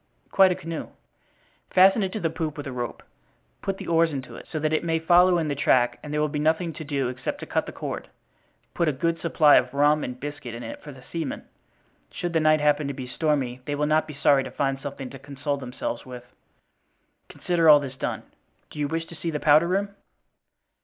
"Quite a canoe." "Fasten it to the poop with a rope; put the oars into it, so that it may follow in the track and there will be nothing to do except to cut the cord. Put a good supply of rum and biscuit in it for the seamen; should the night happen to be stormy they will not be sorry to find something to console themselves with." "Consider all this done. Do you wish to see the powder room?"